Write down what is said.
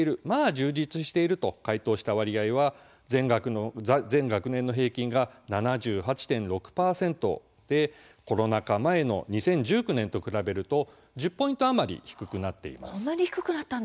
「まあ充実している」と回答した割合は全学年の平均が７８．６％でコロナ禍前の２０１９年と比べると１０ポイント余り低くなっています。